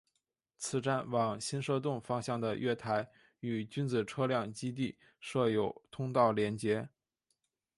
此站往新设洞方向的月台与君子车辆基地设有通道连结。